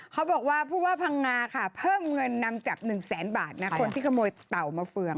เขาบอกว่าภังงาเพิ่มเงินนำจับ๑แสนบาทคนที่ขโมยเต่ามะเฟือง